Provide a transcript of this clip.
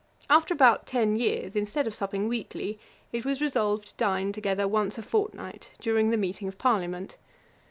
After about ten years, instead of supping weekly, it was resolved to dine together once a fortnight during the meeting of Parliament.